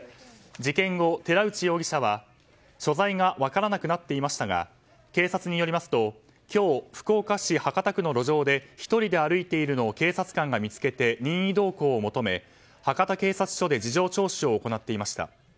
事件後、寺内容疑者は、所在が分からなくなっていましたが警察によりますと今日、福岡市博多区の路上で１人で歩いているのを警察官が見つけて任意同行を求め博多警察署で事情聴取を行っていました。